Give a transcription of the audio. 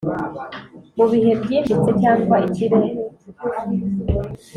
mubihe byimbitse cyangwa ikirere